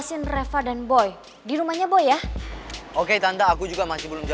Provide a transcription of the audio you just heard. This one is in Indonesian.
sekarang di kampung gue tidak bisa mage bro